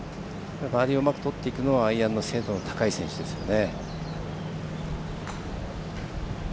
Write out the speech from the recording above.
バーディーをうまくとれてくるのはアイアンの精度の高い選手ですよね。